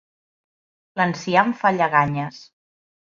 L'enciam fa lleganyes.